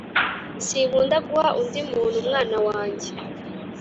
Sinkunda guha undi muntu umwana wanjye